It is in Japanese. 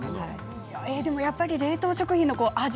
でもやっぱり冷凍食品の味